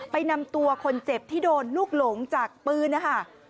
นำตัวคนเจ็บที่โดนลูกหลงจากปืนนะคะ